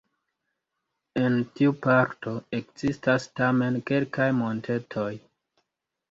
En tiu parto ekzistas tamen kelkaj montetoj.